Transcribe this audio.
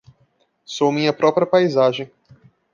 Sou minha própria paisagem;